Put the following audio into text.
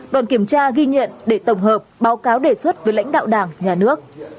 đoàn kiểm tra ghi nhận để tổng hợp báo cáo đề xuất với lãnh đạo đảng nhà nước